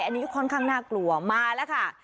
อันนี้ก็ค่อนข้างน่ากลัวมาแล้วค่ะ